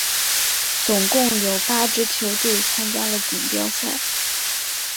总共有八支球队参加了锦标赛。